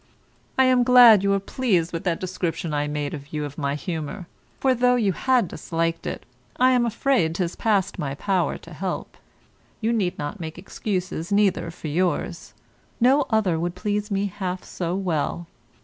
I am glad you are pleased with that description I made you of my humour, for, though you had disliked it, I am afraid 'tis past my power to help. You need not make excuses neither for yours; no other would please me half so well.